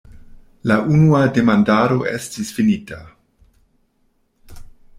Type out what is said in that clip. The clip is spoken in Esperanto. La unua demandado estis finita.